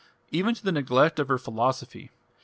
Even to the neglect of her philosophy.